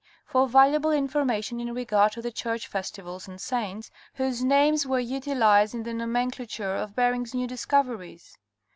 for valuable informa tion in regard to the church festivals and saints, whose names were utilized in the nomenclature of Bering's new discoveries.